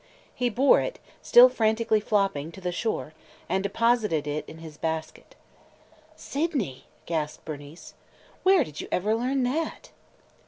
He bore it, still frantically flopping, to the shore and deposited it in his basket. "Sydney!" gasped Bernice. "Where did you ever learn that?"